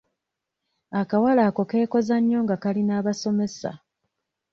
Akawala ako keekoza nnyo nga kali n'abasomesa.